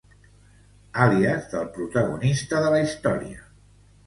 Àlies del protagonista de la història.